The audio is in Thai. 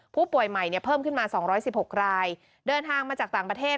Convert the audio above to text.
ผู้ป่วยใหม่เนี่ยเพิ่มขึ้นมา๒๑๖รายเดินทางมาจากต่างประเทศ